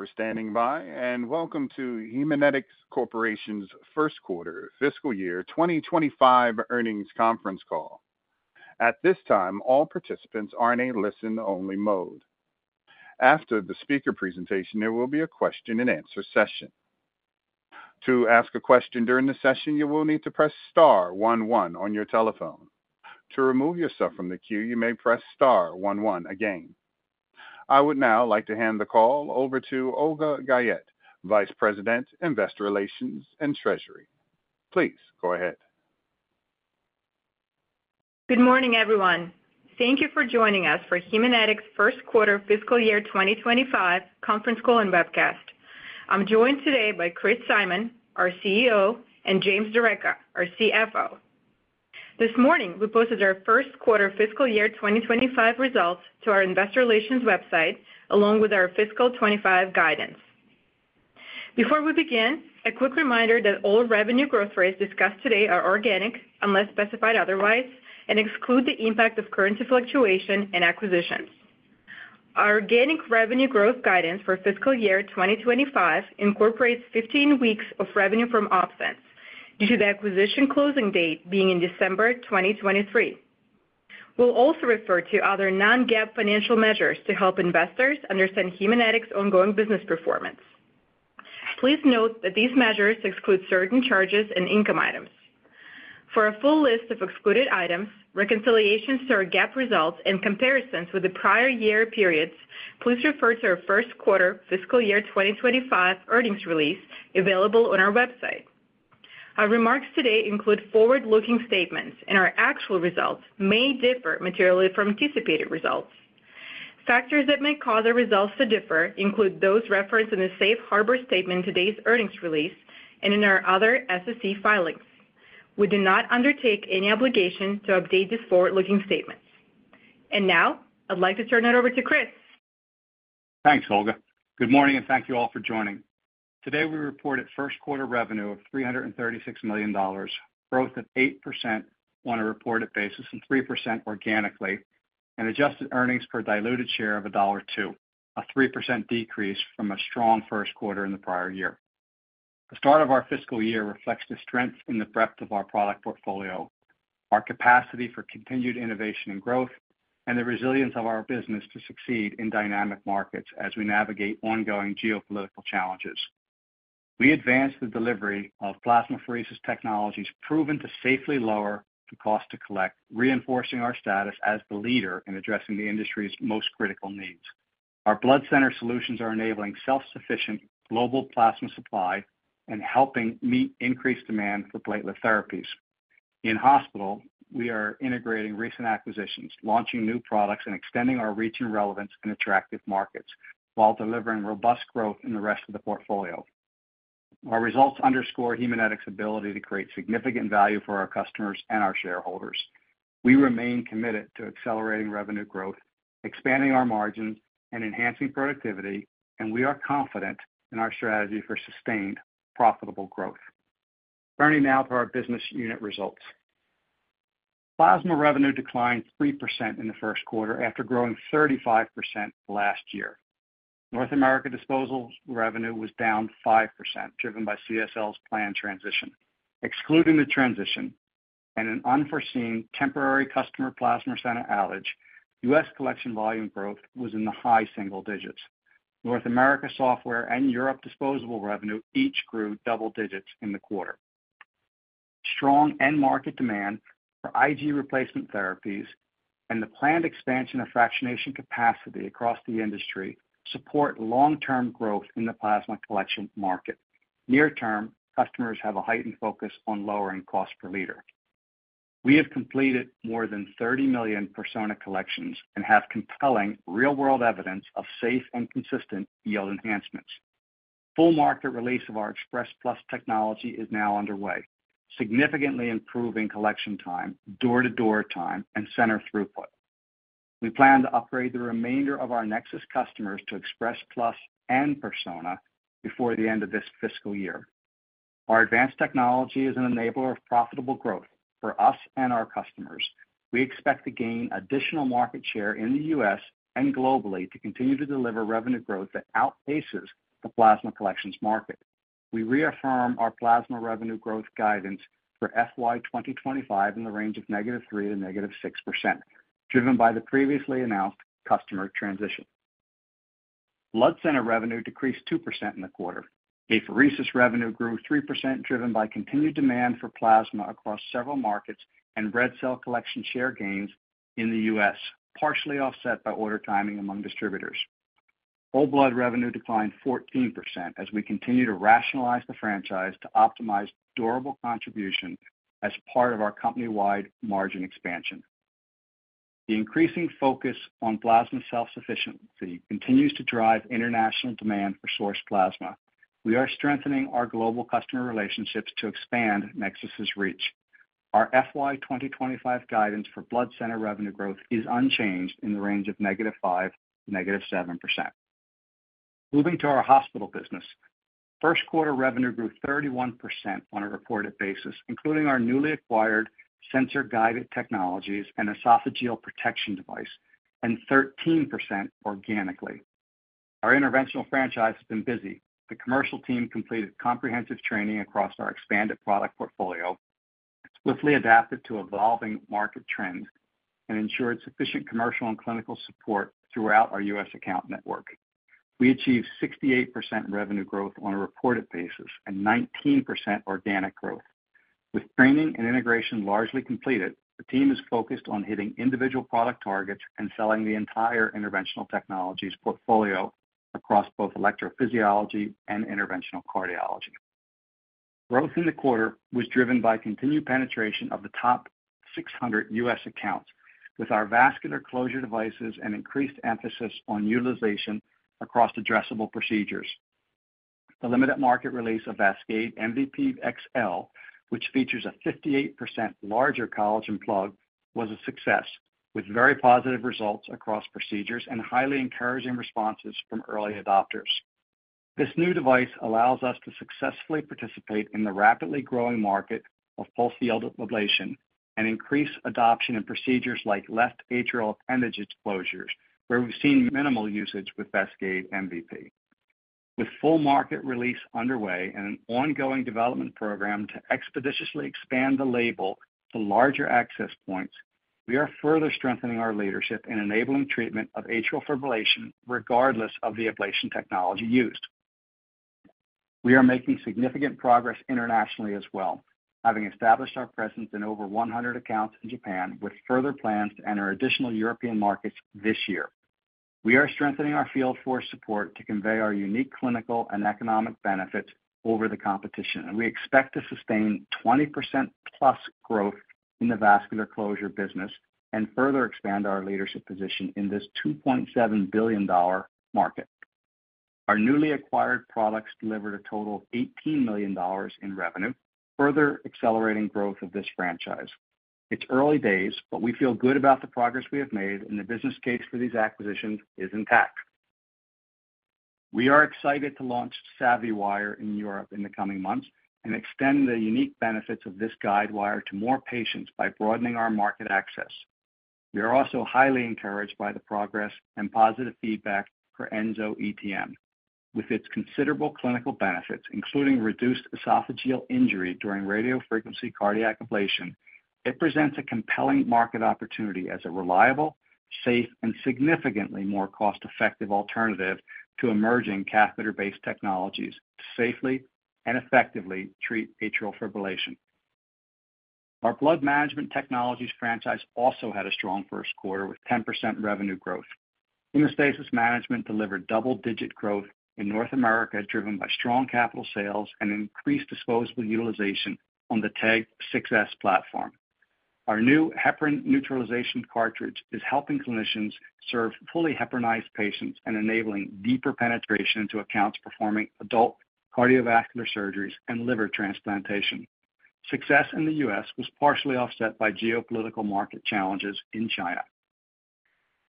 Thank you for standing by, and welcome to Haemonetics Corporation's first quarter, fiscal year 2025 Earnings Conference Call. At this time, all participants are in a listen-only mode. After the speaker presentation, there will be a question-and-answer session. To ask a question during the session, you will need to press star 11 on your telephone. To remove yourself from the queue, you may press star 11 again. I would now like to hand the call over to Olga Guyette, Vice President, Investor Relations and Treasury. Please go ahead. Good morning, everyone. Thank you for joining us for Haemonetics' first quarter, fiscal year 2025 conference call and webcast. I'm joined today by Chris Simon, our CEO, and James D'Arecca, our CFO. This morning, we posted our first quarter fiscal year 2025 results to our Investor Relations website, along with our fiscal 25 guidance. Before we begin, a quick reminder that all revenue growth rates discussed today are organic, unless specified otherwise, and exclude the impact of currency fluctuation and acquisitions. Our organic revenue growth guidance for fiscal year 2025 incorporates 15 weeks of revenue from OpSens, due to the acquisition closing date being in December 2023. We'll also refer to other non-GAAP financial measures to help investors understand Haemonetics' ongoing business performance. Please note that these measures exclude certain charges and income items. For a full list of excluded items, reconciliations to our GAAP results, and comparisons with the prior year periods, please refer to our first quarter, fiscal year 2025 earnings release available on our website. Our remarks today include forward-looking statements, and our actual results may differ materially from anticipated results. Factors that may cause our results to differ include those referenced in the safe harbor statement in today's earnings release and in our other SEC filings. We do not undertake any obligation to update these forward-looking statements. Now, I'd like to turn it over to Chris. Thanks, Olga. Good morning, and thank you all for joining. Today, we reported first quarter revenue of $336 million, growth of 8% on a reported basis and 3% organically, and adjusted earnings per diluted share of $1.02, a 3% decrease from a strong first quarter in the prior year. The start of our fiscal year reflects the strength in the breadth of our product portfolio, our capacity for continued innovation and growth, and the resilience of our business to succeed in dynamic markets as we navigate ongoing geopolitical challenges. We advance the delivery of plasmapheresis technologies proven to safely lower the cost to collect, reinforcing our status as the leader in addressing the industry's most critical needs. Our blood center solutions are enabling self-sufficient global plasma supply and helping meet increased demand for platelet therapies. In hospital, we are integrating recent acquisitions, launching new products, and extending our reach and relevance in attractive markets while delivering robust growth in the rest of the portfolio. Our results underscore Haemonetics' ability to create significant value for our customers and our shareholders. We remain committed to accelerating revenue growth, expanding our margins, and enhancing productivity, and we are confident in our strategy for sustained profitable growth. Turning now to our business unit results. Plasma revenue declined 3% in the first quarter after growing 35% last year. North America disposable revenue was down 5%, driven by CSL's planned transition. Excluding the transition and an unforeseen temporary customer plasma center outage, U.S. collection volume growth was in the high single digits. North America software and Europe disposable revenue each grew double digits in the quarter. Strong end-market demand for IgG replacement therapies and the planned expansion of fractionation capacity across the industry support long-term growth in the plasma collection market. Near-term, customers have a heightened focus on lowering cost per liter. We have completed more than 30 million Persona collections and have compelling real-world evidence of safe and consistent yield enhancements. Full market release of our Express Plus technology is now underway, significantly improving collection time, door-to-door time, and center throughput. We plan to upgrade the remainder of our NexSys customers to Express Plus and Persona before the end of this fiscal year. Our advanced technology is an enabler of profitable growth for us and our customers. We expect to gain additional market share in the U.S. and globally to continue to deliver revenue growth that outpaces the plasma collections market. We reaffirm our plasma revenue growth guidance for FY 2025 in the range of negative 3%- negative 6%, driven by the previously announced customer transition. Blood center revenue decreased 2% in the quarter. Apheresis revenue grew 3%, driven by continued demand for plasma across several markets and red cell collection share gains in the U.S., partially offset by order timing among distributors. Whole blood revenue declined 14% as we continue to rationalize the franchise to optimize durable contribution as part of our company-wide margin expansion. The increasing focus on plasma self-sufficiency continues to drive international demand for source plasma. We are strengthening our global customer relationships to expand NexSys's reach. Our FY 2025 guidance for blood center revenue growth is unchanged in the range of negative 5% - negative 7%. Moving to our hospital business, first quarter revenue grew 31% on a reported basis, including our newly acquired sensor-guided technologies and esophageal protection device, and 13% organically. Our interventional franchise has been busy. The commercial team completed comprehensive training across our expanded product portfolio, swiftly adapted to evolving market trends, and ensured sufficient commercial and clinical support throughout our U.S. account network. We achieved 68% revenue growth on a reported basis and 19% organic growth. With training and integration largely completed, the team is focused on hitting individual product targets and selling the entire interventional technologies portfolio across both electrophysiology and interventional cardiology. Growth in the quarter was driven by continued penetration of the top 600 U.S. accounts with our vascular closure devices and increased emphasis on utilization across addressable procedures. The limited market release of Vascade MVP XL, which features a 58% larger collagen plug, was a success, with very positive results across procedures and highly encouraging responses from early adopters. This new device allows us to successfully participate in the rapidly growing market of pulse field ablation and increase adoption in procedures like left atrial appendage exposures, where we've seen minimal usage with Vascade MVP. With full market release underway and an ongoing development program to expeditiously expand the label to larger access points, we are further strengthening our leadership in enabling treatment of atrial fibrillation regardless of the ablation technology used. We are making significant progress internationally as well, having established our presence in over 100 accounts in Japan, with further plans to enter additional European markets this year. We are strengthening our field force support to convey our unique clinical and economic benefits over the competition, and we expect to sustain 20%+ growth in the vascular closure business and further expand our leadership position in this $2.7 billion market. Our newly acquired products delivered a total of $18 million in revenue, further accelerating growth of this franchise. It's early days, but we feel good about the progress we have made, and the business case for these acquisitions is intact. We are excited to launch SavvyWire in Europe in the coming months and extend the unique benefits of this guidewire to more patients by broadening our market access. We are also highly encouraged by the progress and positive feedback for EnsoETM. With its considerable clinical benefits, including reduced esophageal injury during radiofrequency cardiac ablation, it presents a compelling market opportunity as a reliable, safe, and significantly more cost-effective alternative to emerging catheter-based technologies to safely and effectively treat atrial fibrillation. Our blood management technologies franchise also had a strong first quarter with 10% revenue growth. Hemostasis management delivered double-digit growth in North America, driven by strong capital sales and increased disposable utilization on the TEG 6s platform. Our new heparin neutralization cartridge is helping clinicians serve fully heparinized patients and enabling deeper penetration into accounts performing adult cardiovascular surgeries and liver transplantation. Success in the U.S. was partially offset by geopolitical market challenges in China.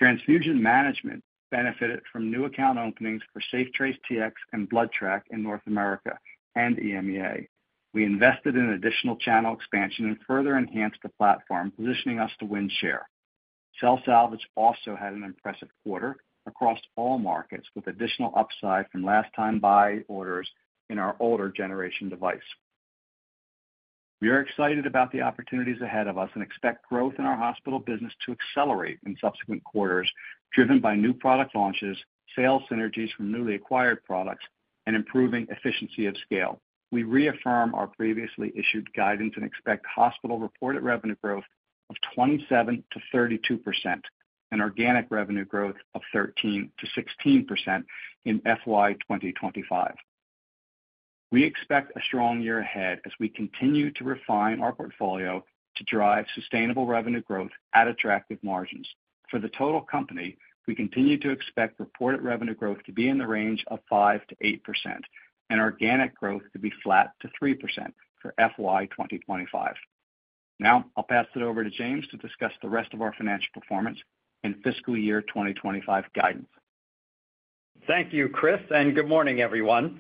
Transfusion management benefited from new account openings for SafeTrace TX and BloodTrack in North America and EMEA. We invested in additional channel expansion and further enhanced the platform, positioning us to win share. Cell salvage also had an impressive quarter across all markets, with additional upside from last-time-buy orders in our older generation device. We are excited about the opportunities ahead of us and expect growth in our hospital business to accelerate in subsequent quarters, driven by new product launches, sales synergies from newly acquired products, and improving efficiency of scale. We reaffirm our previously issued guidance and expect hospital reported revenue growth of 27%-32% and organic revenue growth of 13%-16% in FY 2025. We expect a strong year ahead as we continue to refine our portfolio to drive sustainable revenue growth at attractive margins. For the total company, we continue to expect reported revenue growth to be in the range of 5%-8% and organic growth to be flat to 3% for FY 2025. Now, I'll pass it over to James to discuss the rest of our financial performance and fiscal year 2025 guidance. Thank you, Chris, and good morning, everyone.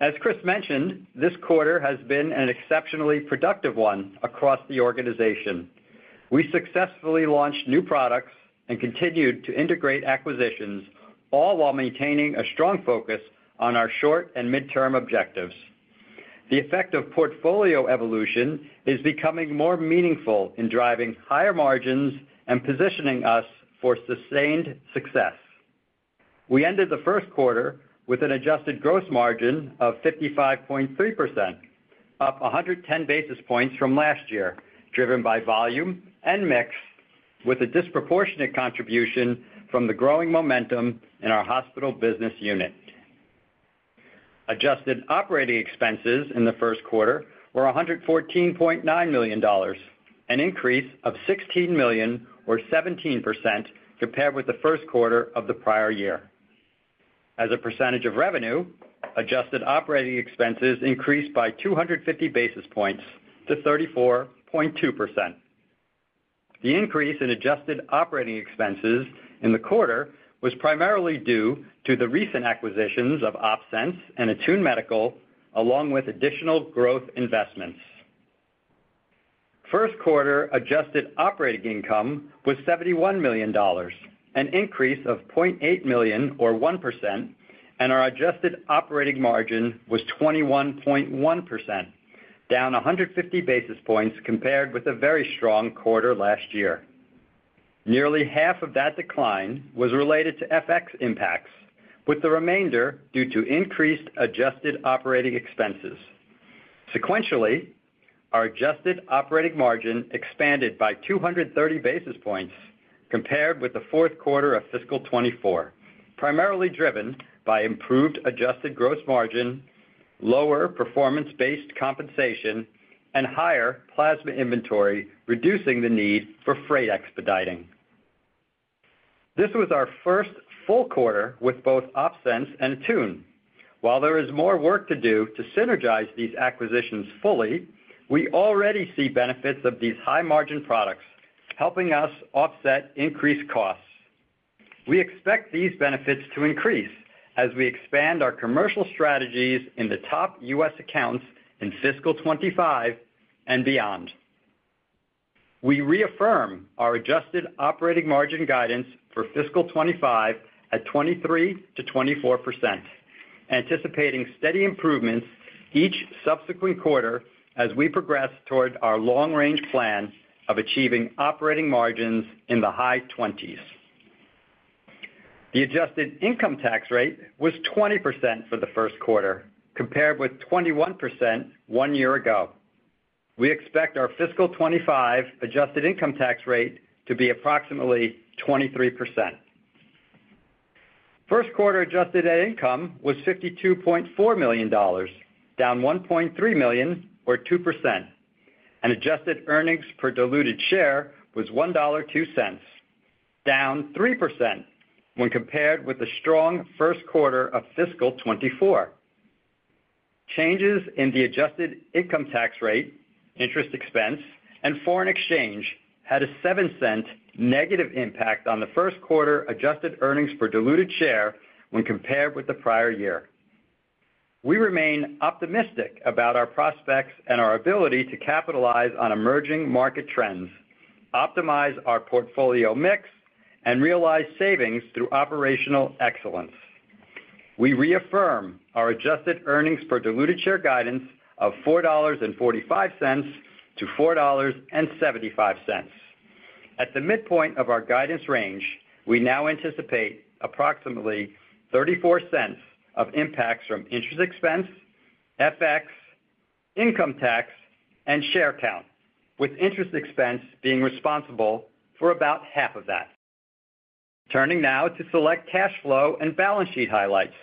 As Chris mentioned, this quarter has been an exceptionally productive one across the organization. We successfully launched new products and continued to integrate acquisitions, all while maintaining a strong focus on our short and midterm objectives. The effect of portfolio evolution is becoming more meaningful in driving higher margins and positioning us for sustained success. We ended the first quarter with an adjusted gross margin of 55.3%, up 110 basis points from last year, driven by volume and mix, with a disproportionate contribution from the growing momentum in our hospital business unit. Adjusted operating expenses in the first quarter were $114.9 million, an increase of $16 million, or 17%, compared with the first quarter of the prior year. As a percentage of revenue, adjusted operating expenses increased by 250 basis points to 34.2%. The increase in adjusted operating expenses in the quarter was primarily due to the recent acquisitions of OpSens and Attune Medical, along with additional growth investments. First quarter adjusted operating income was $71 million, an increase of $0.8 million, or 1%, and our adjusted operating margin was 21.1%, down 150 basis points compared with a very strong quarter last year. Nearly half of that decline was related to FX impacts, with the remainder due to increased adjusted operating expenses. Sequentially, our adjusted operating margin expanded by 230 basis points compared with the fourth quarter of fiscal 2024, primarily driven by improved adjusted gross margin, lower performance-based compensation, and higher plasma inventory, reducing the need for freight expediting. This was our first full quarter with both OpSens and Attune. While there is more work to do to synergize these acquisitions fully, we already see benefits of these high-margin products, helping us offset increased costs. We expect these benefits to increase as we expand our commercial strategies in the top U.S. accounts in fiscal 2025 and beyond. We reaffirm our adjusted operating margin guidance for fiscal 2025 at 23%-24%, anticipating steady improvements each subsequent quarter as we progress toward our long-range plan of achieving operating margins in the high 20s. The adjusted income tax rate was 20% for the first quarter, compared with 21% one year ago. We expect our fiscal 2025 adjusted income tax rate to be approximately 23%. First quarter adjusted net income was $52.4 million, down $1.3 million, or 2%, and adjusted earnings per diluted share was $1.02, down 3% when compared with the strong first quarter of fiscal 2024. Changes in the adjusted income-tax-rate, interest expense, and foreign exchange had a 7% negative impact on the first quarter adjusted earnings per diluted share when compared with the prior year. We remain optimistic about our prospects and our ability to capitalize on emerging market trends, optimize our portfolio mix, and realize savings through operational excellence. We reaffirm our adjusted earnings per diluted share guidance of $4.45-$4.75. At the midpoint of our guidance range, we now anticipate approximately 34% of impacts from interest expense, FX, income tax, and share count, with interest expense being responsible for about half of that. Turning now to select cash flow and balance sheet highlights.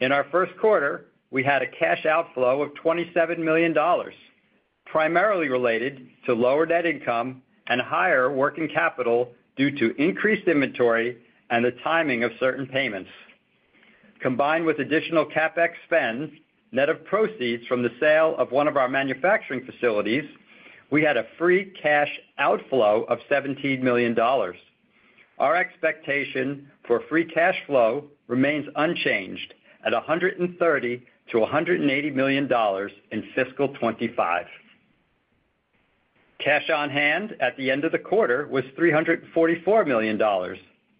In our first quarter, we had a cash outflow of $27 million, primarily related to lower net income and higher working capital due to increased inventory and the timing of certain payments. Combined with additional CapEx spend, net of proceeds from the sale of one of our manufacturing facilities, we had a free cash outflow of $17 million. Our expectation for free cash flow remains unchanged at $130-$180 million in fiscal 2025. Cash on hand at the end of the quarter was $344 million,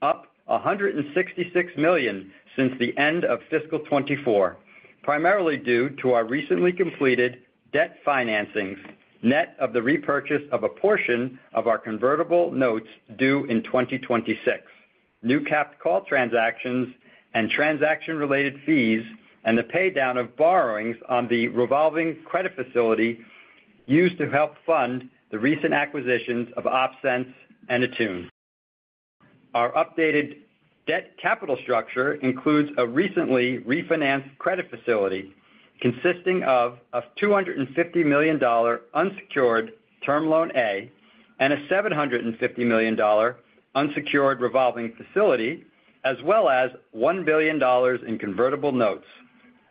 up $166 million since the end of fiscal 2024, primarily due to our recently completed debt financings, net of the repurchase of a portion of our convertible notes due in 2026, new capped call transactions and transaction-related fees, and the paydown of borrowings on the revolving credit facility used to help fund the recent acquisitions of OpSens and Attune. Our updated debt capital structure includes a recently refinanced credit facility consisting of a $250 million unsecured Term Loan A and a $750 million unsecured revolving facility, as well as $1 billion in convertible notes,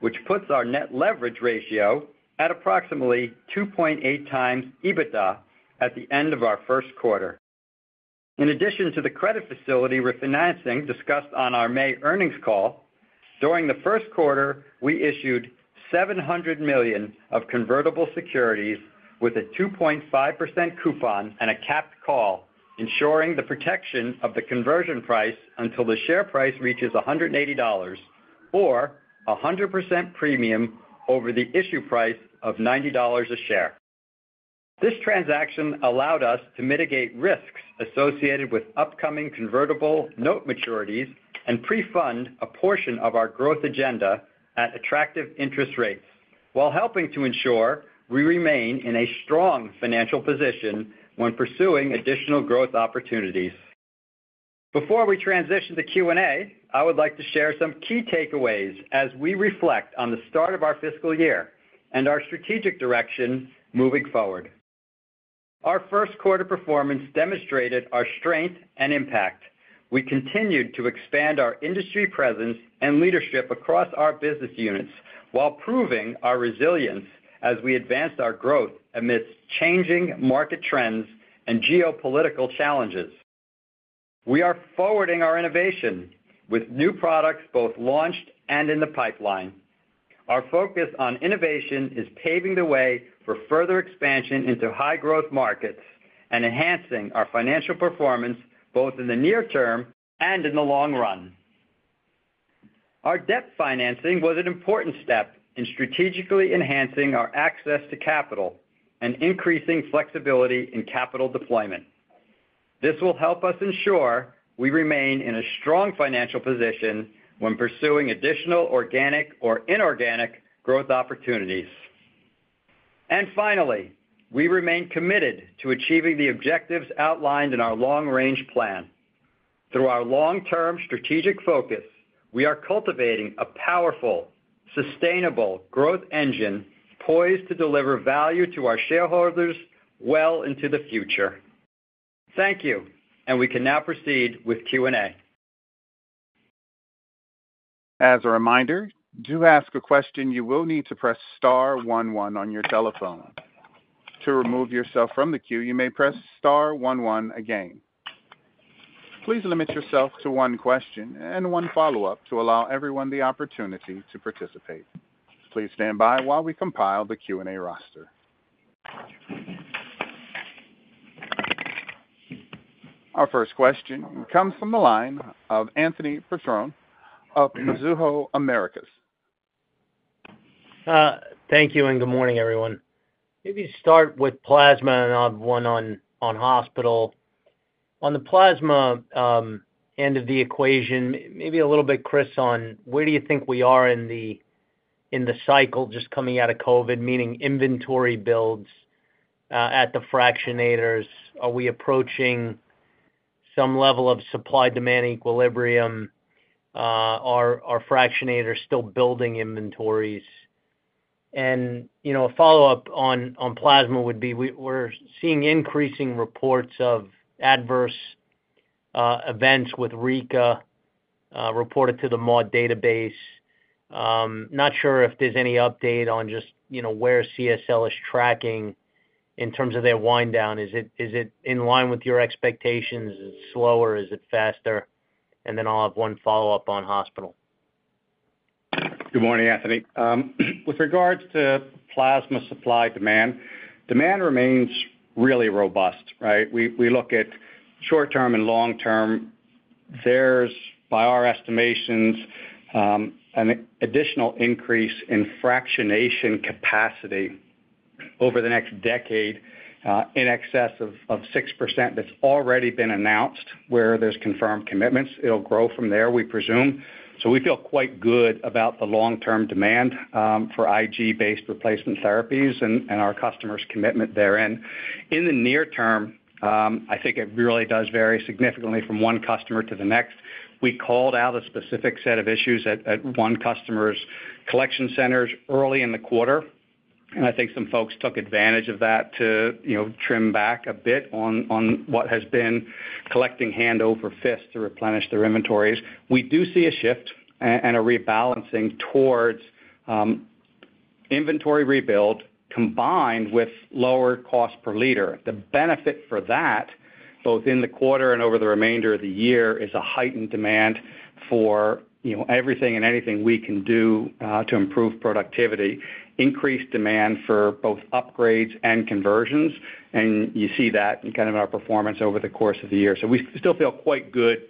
which puts our net leverage ratio at approximately 2.8 times EBITDA at the end of our first quarter. In addition to the credit facility refinancing discussed on our May earnings call, during the first quarter, we issued $700 million of convertible securities with a 2.5% coupon and a capped call, ensuring the protection of the conversion price until the share price reaches $180 or 100% premium over the issue price of $90 a share. This transaction allowed us to mitigate risks associated with upcoming convertible note maturities and pre-fund a portion of our growth agenda at attractive interest rates, while helping to ensure we remain in a strong financial position when pursuing additional growth opportunities. Before we transition to Q&A, I would like to share some key takeaways as we reflect on the start of our fiscal year and our strategic direction moving forward. Our first quarter performance demonstrated our strength and impact. We continued to expand our industry presence and leadership across our business units while proving our resilience as we advanced our growth amidst changing market trends and geopolitical challenges. We are forwarding our innovation with new products both launched and in the pipeline. Our focus on innovation is paving the way for further expansion into high-growth markets and enhancing our financial performance both in the near-term and in the long run. Our debt financing was an important step in strategically enhancing our access to capital and increasing flexibility in capital deployment. This will help us ensure we remain in a strong financial position when pursuing additional organic or inorganic growth opportunities. Finally, we remain committed to achieving the objectives outlined in our long-range plan. Through our long-term strategic focus, we are cultivating a powerful, sustainable growth engine poised to deliver value to our shareholders well into the future. Thank you, and we can now proceed with Q&A. As a reminder, to ask a question, you will need to press Star 11 on your telephone. To remove yourself from the queue, you may press Star 11 again. Please limit yourself to one question and one follow-up to allow everyone the opportunity to participate. Please stand by while we compile the Q&A roster. Our first question comes from the line of Anthony Petrone of Mizuho Americas. Thank you, and good morning, everyone. Maybe start with plasma and I'll have one on hospital. On the plasma end of the equation, maybe a little bit, Chris, on where do you think we are in the cycle just coming out of COVID, meaning inventory builds at the fractionators? Are we approaching some level of supply-demand equilibrium? Are fractionators still building inventories? And a follow-up on plasma would be we're seeing increasing reports of adverse events with RECA reported to the MOD database. Not sure if there's any update on just where CSL is tracking in terms of their wind down. Is it in line with your expectations? Is it slower? Is it faster? And then I'll have one follow-up on hospital. Good morning, Anthony. With regards to plasma supply demand, demand remains really robust, right? We look at short-term and long-term. There's, by our estimations, an additional increase in fractionation capacity over the next decade in excess of 6%. That's already been announced where there's confirmed commitments. It'll grow from there, we presume. So we feel quite good about the long-term demand for IgG-based replacement therapies and our customers' commitment therein. In the near-term, I think it really does vary significantly from one customer to the next. We called out a specific set of issues at one customer's collection centers early in the quarter, and I think some folks took advantage of that to trim back a bit on what has been collecting hand over fist to replenish their inventories. We do see a shift and a rebalancing towards inventory rebuild combined with lower cost per liter. The benefit for that, both in the quarter and over the remainder of the year, is a heightened demand for everything and anything we can do to improve productivity, increased demand for both upgrades and conversions, and you see that in kind of our performance over the course of the year. So we still feel quite good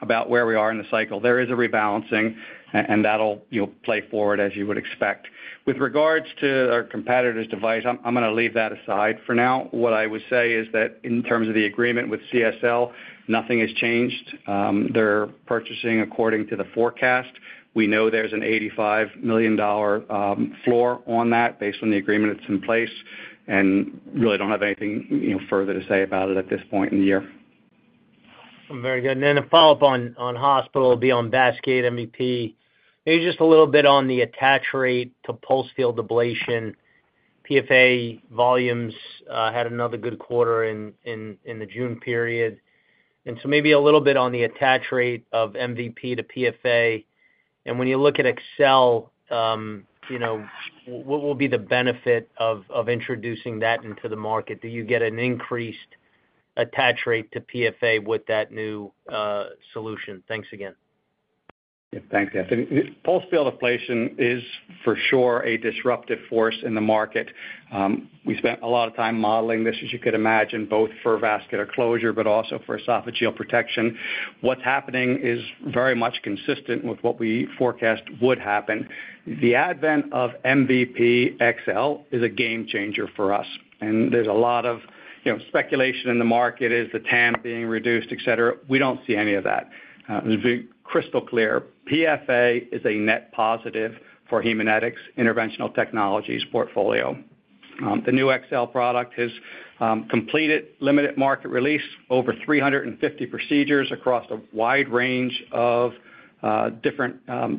about where we are in the cycle. There is a rebalancing, and that'll play forward as you would expect. With regards to our competitor's device, I'm going to leave that aside for now. What I would say is that in terms of the agreement with CSL, nothing has changed. They're purchasing according to the forecast. We know there's an $85 million floor on that based on the agreement that's in place, and really don't have anything further to say about it at this point in the year. Very good. A follow-up on hospital will be on Vascade MVP. Maybe just a little bit on the attach rate to pulse field ablation. PFA volumes had another good quarter in the June period. So maybe a little bit on the attach rate of MVP to PFA. When you look at Vascade MVP XL, what will be the benefit of introducing that into the market? Do you get an increased attach rate to PFA with that new solution? Thanks again. Thanks, Anthony. Pulse field ablation is for sure a disruptive force in the market. We spent a lot of time modeling this, as you could imagine, both for vascular closure but also for esophageal protection. What's happening is very much consistent with what we forecast would happen. The advent of MVP XL is a game changer for us, and there's a lot of speculation in the market: is the TAM being reduced, etc.? We don't see any of that. It's crystal clear. PFA is a net positive for Haemonetics Interventional Technologies portfolio. The new XL product has completed limited market release over 350 procedures across a wide range of different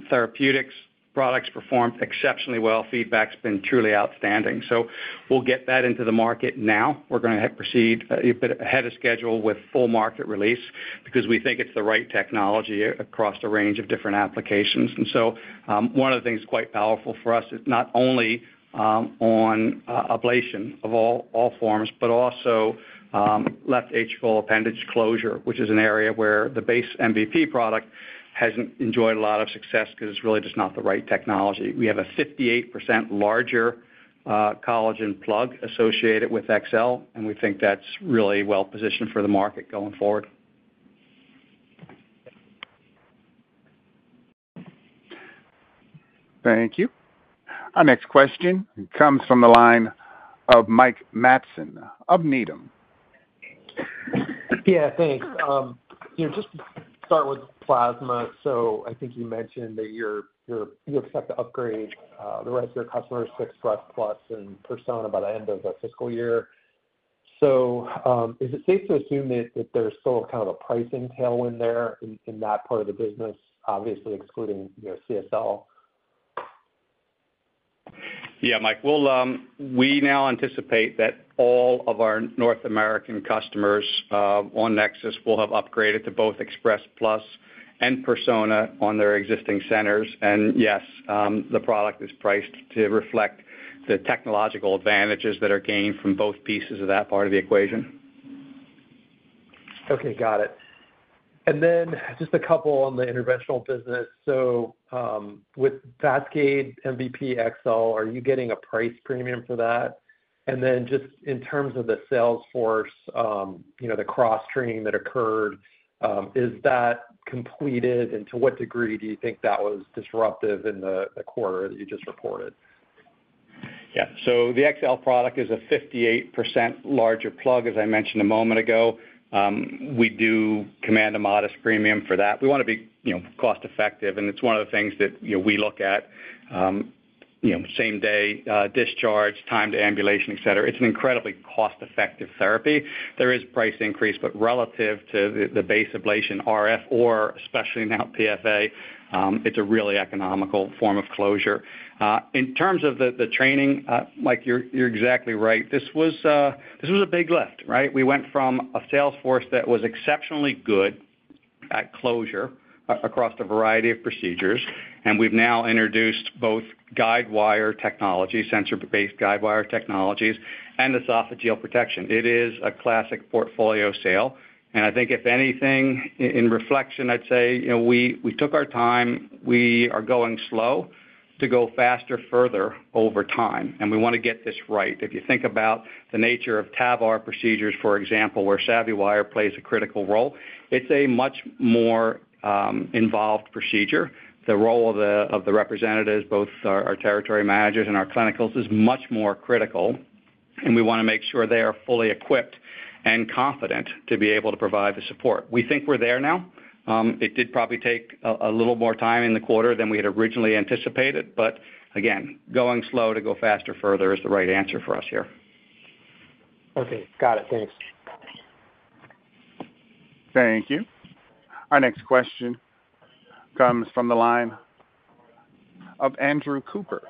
therapeutics. Products performed exceptionally well. Feedback's been truly outstanding. So we'll get that into the market now. We're going to proceed a bit ahead of schedule with full market release because we think it's the right technology across a range of different applications. And so one of the things quite powerful for us is not only on ablation of all forms, but also left atrial appendage closure, which is an area where the base MVP product hasn't enjoyed a lot of success because it's really just not the right technology. We have a 58% larger collagen plug associated with XL, and we think that's really well positioned for the market going forward. Thank you. Our next question comes from the line of Mike Matson of Needham & Company. Yeah, thanks. Just to start with plasma, so I think you mentioned that you expect to upgrade the rest of your customers to Express Plus and Persona by the end of the fiscal year. So is it safe to assume that there's still kind of a pricing tailwind there in that part of the business, obviously excluding CSL? Yeah, Mike, we now anticipate that all of our North American customers on Nexus will have upgraded to both Express Plus and Persona on their existing centers. And yes, the product is priced to reflect the technological advantages that are gained from both pieces of that part of the equation. Okay, got it. And then just a couple on the interventional business. So with Vascade MVP XL, are you getting a price premium for that? And then just in terms of the sales force, the cross-training that occurred, is that completed, and to what degree do you think that was disruptive in the quarter that you just reported? Yeah. So the XL product is a 58% larger plug, as I mentioned a moment ago. We do command a modest premium for that. We want to be cost-effective, and it's one of the things that we look at: same-day discharge, time to ambulation, etc. It's an incredibly cost-effective therapy. There is a price increase, but relative to the base ablation RF, or especially now PFA, it's a really economical form of closure. In terms of the training, Mike, you're exactly right. This was a big lift, right? We went from a sales force that was exceptionally good at closure across a variety of procedures, and we've now introduced both guidewire technology, sensor-based guidewire technologies, and esophageal protection. It is a classic portfolio sale. And I think, if anything, in reflection, I'd say we took our time. We are going slow to go faster, further over time, and we want to get this right. If you think about the nature of TAVR procedures, for example, where SavvyWire plays a critical role, it's a much more involved procedure. The role of the representatives, both our territory managers and our clinicals, is much more critical, and we want to make sure they are fully equipped and confident to be able to provide the support. We think we're there now. It did probably take a little more time in the quarter than we had originally anticipated, but again, going slow to go faster, further is the right answer for us here. Okay, got it. Thanks. Thank you. Our next question comes from the line of Andrew Cooper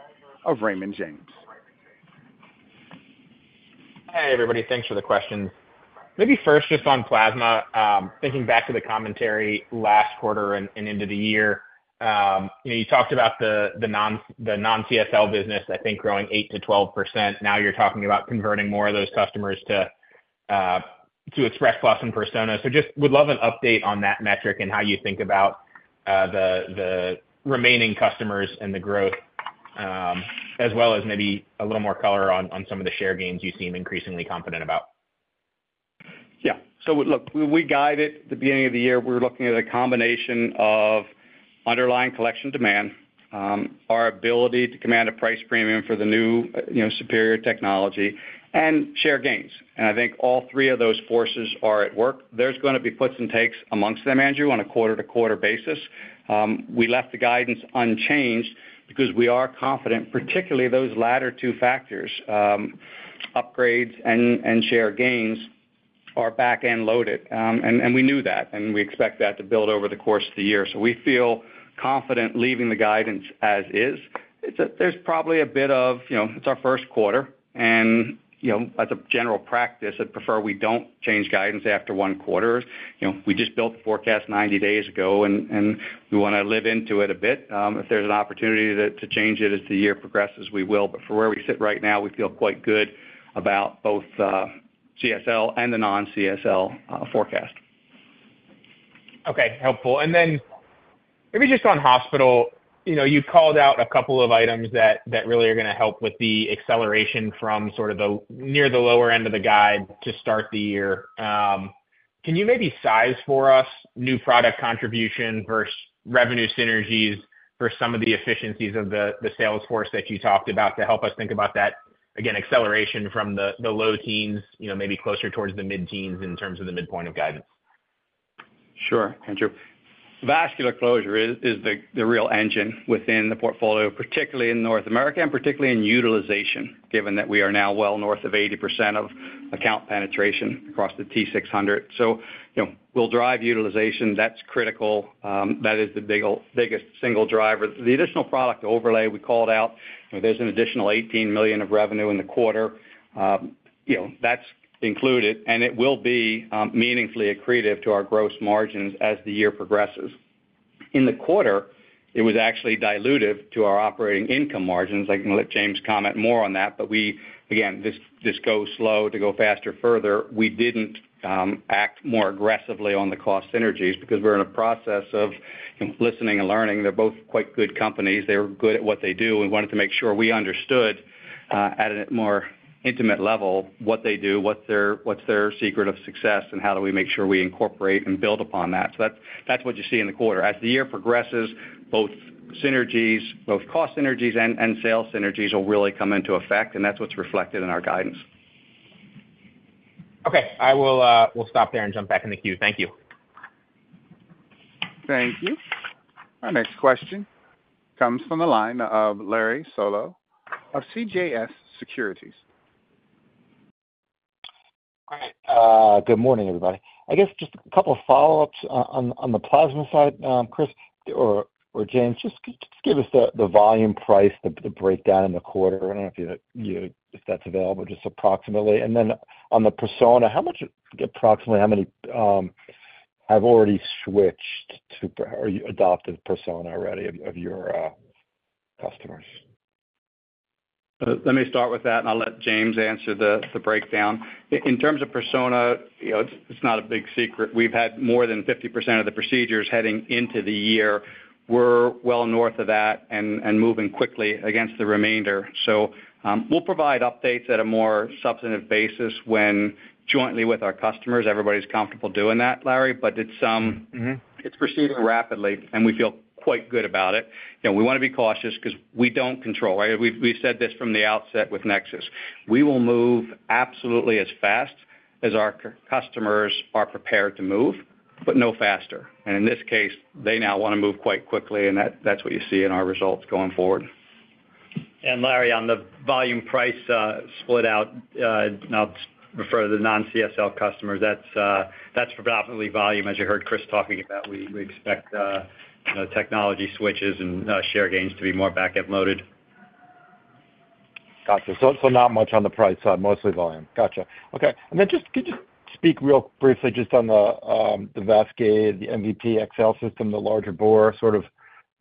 of Raymond James. Hey, everybody. Thanks for the questions. Maybe first, just on plasma, thinking back to the commentary last quarter and into the year, you talked about the non-CSL business, I think, growing 8%-12%. Now you're talking about converting more of those customers to Express Plus and Persona. So just would love an update on that metric and how you think about the remaining customers and the growth, as well as maybe a little more color on some of the share gains you seem increasingly confident about. Yeah. So look, we guided at the beginning of the year. We were looking at a combination of underlying collection demand, our ability to command a price premium for the new superior technology, and share gains. And I think all three of those forces are at work. There's going to be puts and takes amongst them, Andrew, on a quarter-to-quarter basis. We left the guidance unchanged because we are confident, particularly those latter two factors, upgrades and share gains, are back-end loaded. And we knew that, and we expect that to build over the course of the year. So we feel confident leaving the guidance as is. There's probably a bit of it is our first quarter, and as a general practice, I'd prefer we don't change guidance after one quarter. We just built the forecast 90 days ago, and we want to live into it a bit. If there's an opportunity to change it as the year progresses, we will. But for where we sit right now, we feel quite good about both CSL and the non-CSL forecast. Okay, helpful. Then maybe just on hospital, you called out a couple of items that really are going to help with the acceleration from sort of near the lower end of the guide to start the year. Can you maybe size for us new product contribution versus revenue synergies for some of the efficiencies of the sales force that you talked about to help us think about that, again, acceleration from the low teens, maybe closer towards the mid-teens in terms of the midpoint of guidance? Sure, Andrew. Vascular closure is the real engine within the portfolio, particularly in North America and particularly in utilization, given that we are now well north of 80% of account penetration across the T600. So we'll drive utilization. That's critical. That is the biggest single driver. The additional product overlay, we called out, there's an additional $18 million of revenue in the quarter. That's included, and it will be meaningfully accretive to our gross margins as the year progresses. In the quarter, it was actually dilutive to our operating income margins. I can let James comment more on that, but we, again, this goes slow to go faster, further. We didn't act more aggressively on the cost synergies because we're in a process of listening and learning. They're both quite good companies. They're good at what they do. We wanted to make sure we understood at a more intimate level what they do, what's their secret of success, and how do we make sure we incorporate and build upon that. So that's what you see in the quarter. As the year progresses, both synergies, both cost synergies and sales synergies will really come into effect, and that's what's reflected in our guidance. Okay. I will stop there and jump back in the queue. Thank you. Thank you. Our next question comes from the line of Larry Solow of CJS Securities. All right. Good morning, everybody. I guess just a couple of follow-ups on the plasma side, Chris or James. Just give us the volume price, the breakdown in the quarter. I don't know if that's available, just approximately. And then on the Persona, approximately how many have already switched to or adopted Persona already of your customers? Let me start with that, and I'll let James answer the breakdown. In terms of Persona, it's not a big secret. We've had more than 50% of the procedures heading into the year. We're well north of that and moving quickly against the remainder. So we'll provide updates at a more substantive basis jointly with our customers. Everybody's comfortable doing that, Larry, but it's proceeding rapidly, and we feel quite good about it. We want to be cautious because we don't control. We said this from the outset with NexSys. We will move absolutely as fast as our customers are prepared to move, but no faster. And in this case, they now want to move quite quickly, and that's what you see in our results going forward. Larry, on the volume price split out, I'll just refer to the non-CSL customers. That's predominantly volume, as you heard Chris talking about. We expect technology switches and share gains to be more back-end loaded. Gotcha. So not much on the price side, mostly volume. Gotcha. Okay. And then could you speak real briefly just on the Vascade, the MVP XL system, the larger bore, sort of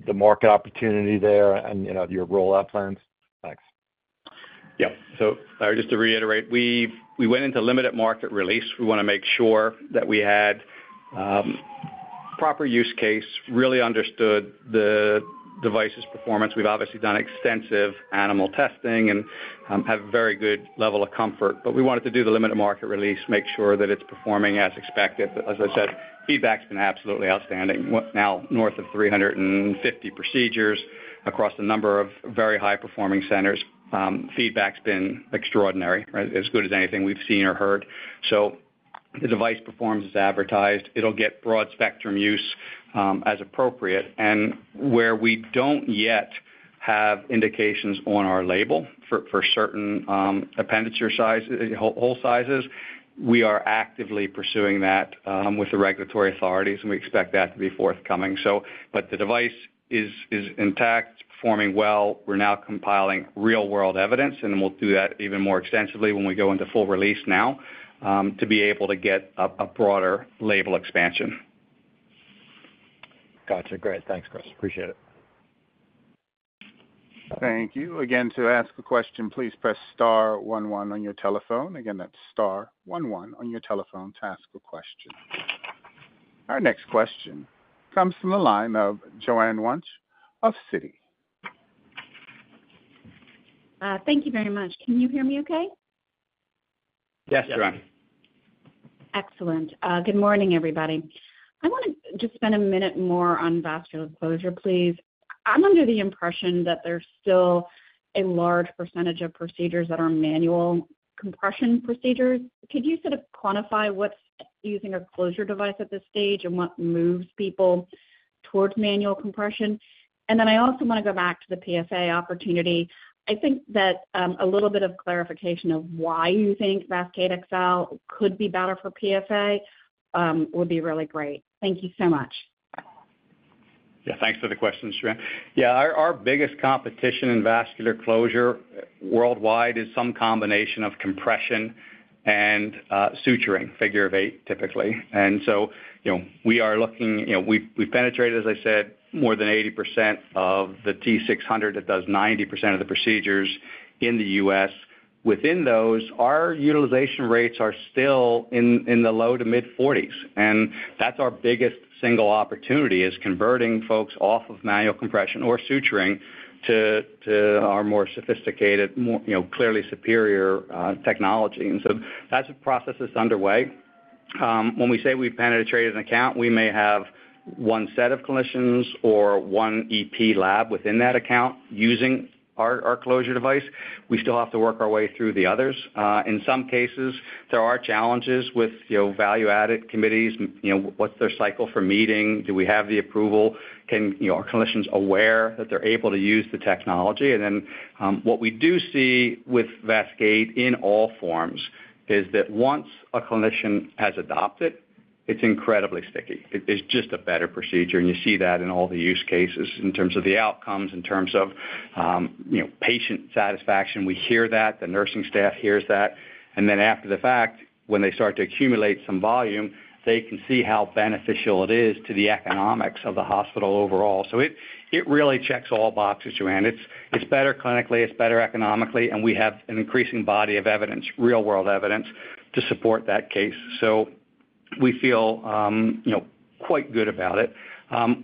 the market opportunity there and your rollout plans? Thanks. Yeah. So, Larry, just to reiterate, we went into limited market release. We want to make sure that we had proper use case, really understood the device's performance. We've obviously done extensive animal testing and have a very good level of comfort, but we wanted to do the limited market release, make sure that it's performing as expected. As I said, feedback's been absolutely outstanding. Now north of 350 procedures across a number of very high-performing centers. Feedback's been extraordinary, as good as anything we've seen or heard. So the device performs as advertised. It'll get broad spectrum use as appropriate. And where we don't yet have indications on our label for certain arteriotomy sizes, hole sizes, we are actively pursuing that with the regulatory authorities, and we expect that to be forthcoming. But the device is intact. It's performing well. We're now compiling real-world evidence, and we'll do that even more extensively when we go into full release now to be able to get a broader label expansion. Gotcha. Great. Thanks, Chris. Appreciate it. Thank you. Again, to ask a question, please press star 11 on your telephone. Again, that's star 11 on your telephone to ask a question. Our next question comes from the line of Joanne Wuensch of Citi. Thank you very much. Can you hear me okay? Yes, Joanne. Excellent. Good morning, everybody. I want to just spend a minute more on vascular closure, please. I'm under the impression that there's still a large percentage of procedures that are manual compression procedures. Could you sort of quantify what's using a closure device at this stage and what moves people towards manual compression? And then I also want to go back to the PFA opportunity. I think that a little bit of clarification of why you think Vascade MVP XL could be better for PFA would be really great. Thank you so much. Yeah, thanks for the question, Joanne. Yeah, our biggest competition in vascular closure worldwide is some combination of compression and suturing, figure of eight, typically. And so we are looking; we've penetrated, as I said, more than 80% of the top 600 that does 90% of the procedures in the U.S. Within those, our utilization rates are still in the low- to mid-40s. And that's our biggest single opportunity: converting folks off of manual compression or suturing to our more sophisticated, clearly superior technology. And so that's a process that's underway. When we say we've penetrated an account, we may have one set of clinicians or one EP lab within that account using our closure device. We still have to work our way through the others. In some cases, there are challenges with value-added committees. What's their cycle for meeting? Do we have the approval? Are clinicians aware that they're able to use the technology? And then what we do see with Vascade in all forms is that once a clinician has adopted, it's incredibly sticky. It's just a better procedure. And you see that in all the use cases in terms of the outcomes, in terms of patient satisfaction. We hear that. The nursing staff hears that. And then after the fact, when they start to accumulate some volume, they can see how beneficial it is to the economics of the hospital overall. So it really checks all boxes, Joanne. It's better clinically. It's better economically. And we have an increasing body of evidence, real-world evidence to support that case. So we feel quite good about it.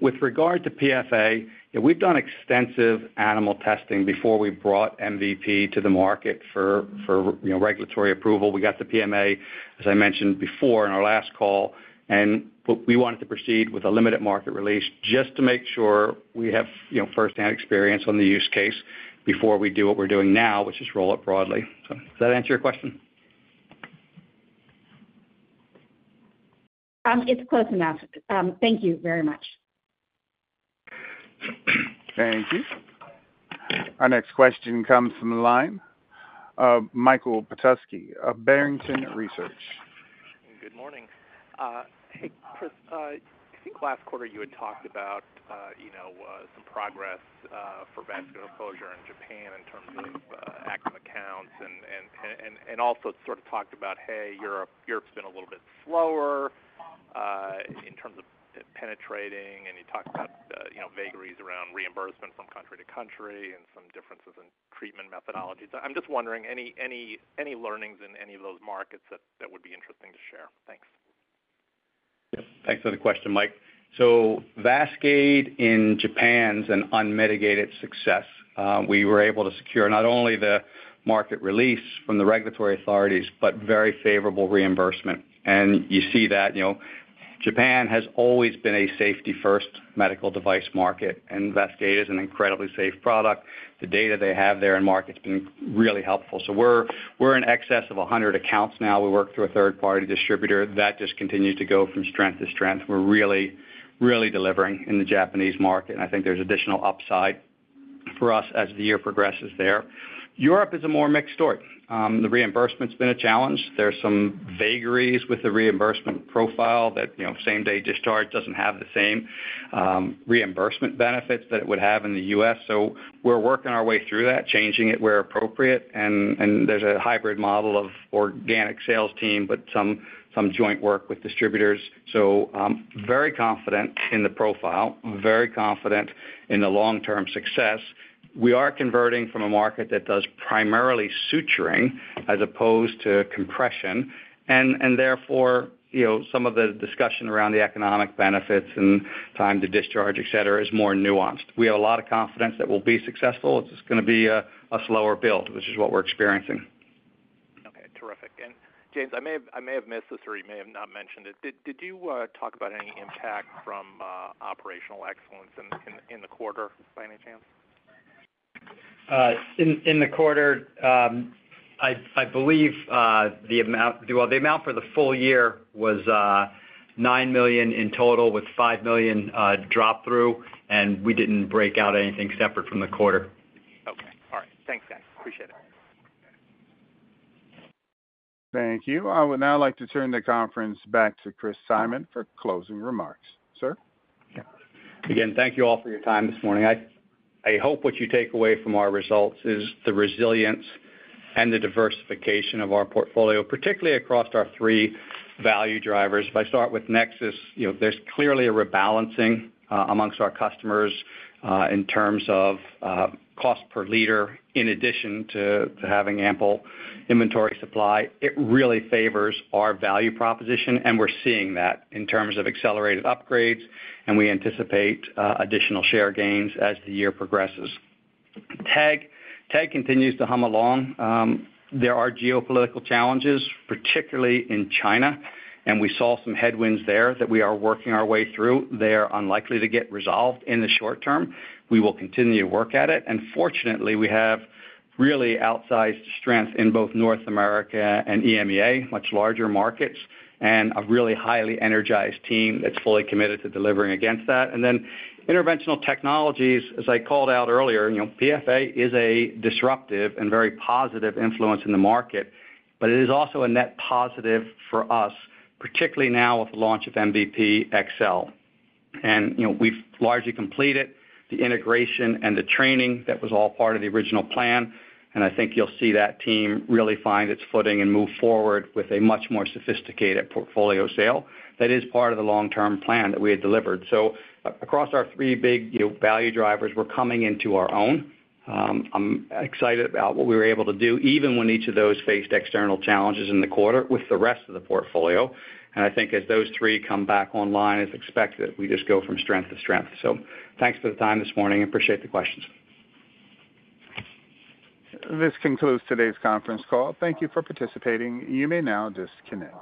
With regard to PFA, we've done extensive animal testing before we brought MVP to the market for regulatory approval. We got the PMA, as I mentioned before in our last call, and we wanted to proceed with a limited market release just to make sure we have firsthand experience on the use case before we do what we're doing now, which is roll it broadly. So does that answer your question? It's close enough. Thank you very much. Thank you. Our next question comes from the line of Michael Petusky of Barrington Research. Good morning. Hey, Chris, I think last quarter you had talked about some progress for vascular closure in Japan in terms of active accounts and also sort of talked about, "Hey, Europe's been a little bit slower in terms of penetrating." And you talked about vagaries around reimbursement from country to country and some differences in treatment methodologies. I'm just wondering, any learnings in any of those markets that would be interesting to share? Thanks. Yeah. Thanks for the question, Mike. So Vascade in Japan's an unmitigated success. We were able to secure not only the market release from the regulatory authorities, but very favorable reimbursement. And you see that. Japan has always been a safety-first medical device market, and Vascade is an incredibly safe product. The data they have there in markets has been really helpful. So we're in excess of 100 accounts now. We work through a third-party distributor. That just continues to go from strength to strength. We're really, really delivering in the Japanese market. And I think there's additional upside for us as the year progresses there. Europe is a more mixed story. The reimbursement's been a challenge. There's some vagaries with the reimbursement profile that same-day discharge doesn't have the same reimbursement benefits that it would have in the U.S. So we're working our way through that, changing it where appropriate. And there's a hybrid model of organic sales team, but some joint work with distributors. So very confident in the profile, very confident in the long-term success. We are converting from a market that does primarily suturing as opposed to compression. And therefore, some of the discussion around the economic benefits and time to discharge, etc., is more nuanced. We have a lot of confidence that we'll be successful. It's just going to be a slower build, which is what we're experiencing. Okay. Terrific. James, I may have missed this or you may have not mentioned it. Did you talk about any impact from operational excellence in the quarter, by any chance? In the quarter, I believe the amount for the full year was $9 million in total with $5 million drop-through, and we didn't break out anything separate from the quarter. Okay. All right. Thanks, guys. Appreciate it. Thank you. I would now like to turn the conference back to Chris Simon for closing remarks. Sir? Again, thank you all for your time this morning. I hope what you take away from our results is the resilience and the diversification of our portfolio, particularly across our three value drivers. If I start with NexSys, there's clearly a rebalancing amongst our customers in terms of cost per liter. In addition to having ample inventory supply, it really favors our value proposition, and we're seeing that in terms of accelerated upgrades, and we anticipate additional share gains as the year progresses. TEG continues to hum along. There are geopolitical challenges, particularly in China, and we saw some headwinds there that we are working our way through. They are unlikely to get resolved in the short-term. We will continue to work at it. Fortunately, we have really outsized strength in both North America and EMEA, much larger markets, and a really highly energized team that's fully committed to delivering against that. Then interventional technologies, as I called out earlier, PFA is a disruptive and very positive influence in the market, but it is also a net positive for us, particularly now with the launch of MVP XL. We've largely completed the integration and the training. That was all part of the original plan. I think you'll see that team really find its footing and move forward with a much more sophisticated portfolio sale that is part of the long-term plan that we had delivered. So across our three big value drivers, we're coming into our own. I'm excited about what we were able to do, even when each of those faced external challenges in the quarter with the rest of the portfolio. I think as those three come back online, as expected, we just go from strength to strength. Thanks for the time this morning. I appreciate the questions. This concludes today's conference call. Thank you for participating. You may now disconnect.